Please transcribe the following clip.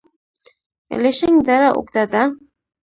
الیشنګ دره اوږده ده؟